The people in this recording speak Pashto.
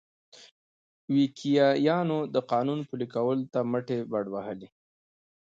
ویګیانو د قانون پلي کولو ته مټې بډ وهلې.